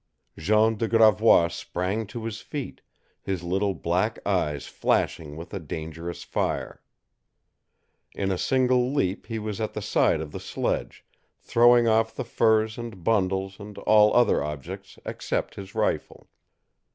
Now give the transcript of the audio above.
Jean de Gravois sprang to his feet, his little black eyes flashing with a dangerous fire. In a single leap he was at the side of the sledge, throwing off the furs and bundles and all other objects except his rifle.